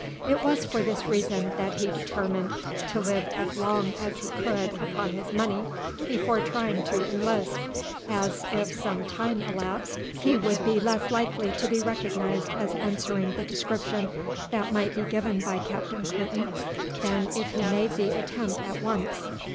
It was for this reason that he determined to live as long as he could upon his money before trying to enlist, as if some time elapsed he would be less likely to be recognized as answering the description that might be given by Captain Clinton than if he made the attempt at once.